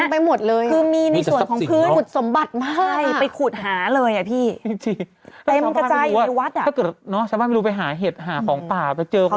เพราะว่าในวัดอย่างที่บอกค่ะ